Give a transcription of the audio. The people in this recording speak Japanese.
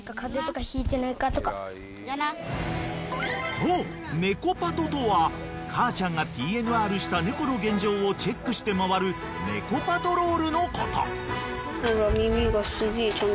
［そう猫パトとは母ちゃんがＴＮＲした猫の現状をチェックして回る猫パトロールのこと］